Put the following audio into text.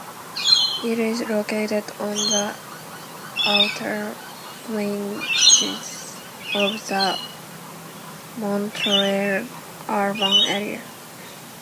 It is located on the outer fringes of the Montreal urban area.